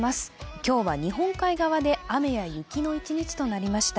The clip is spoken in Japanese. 今日は日本海側で雨や雪の一日となりました。